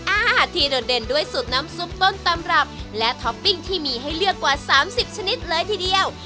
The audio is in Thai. อาหารที่โดดเด่นด้วยสูตรน้ำซุปต้นตำรับและท็อปปิ้งที่มีให้เลือกกว่า๓๐ชนิดเลยทีเดียว